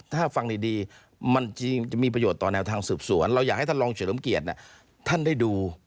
ถ้าฟังดีมันจะมีประโยชน์ต่อแนวทางสืบสวนเราอยากให้ท่านรองเฉลิมเกียรติท่านได้ดู